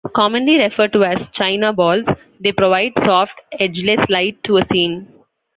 Commonly referred to as "China balls", they provide soft, edgeless light to a scene.